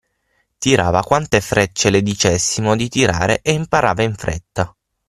Tirava quante frecce le dicessimo di tirare e imparava in fretta.